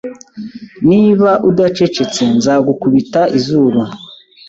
Niba udacecetse nzagukubita izuru.